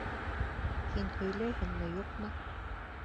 Һин һөйләйһеңме, юҡмы?